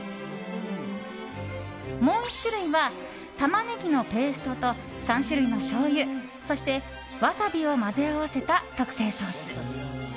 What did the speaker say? もう１種類はタマネギのペーストと３種類のしょうゆそしてワサビを混ぜ合わせた特製ソース。